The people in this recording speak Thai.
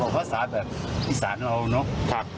ออกภาษาแบบอีสานเอานะครับ